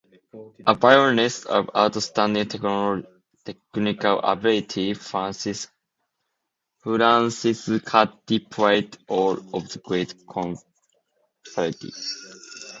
A violinist of outstanding technical ability, Francescatti played all of the great concerti.